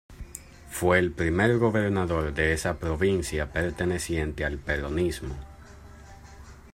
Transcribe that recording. Fue el primer gobernador de esa provincia perteneciente al peronismo.